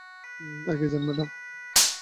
এগিয়ে যান, ম্যাডাম।